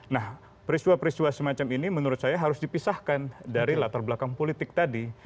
nah peristiwa peristiwa semacam ini menurut saya harus dipisahkan dari latar belakang politik tadi